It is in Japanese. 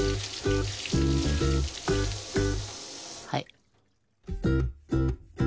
はい。